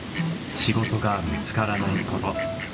仕事が見つからないこと。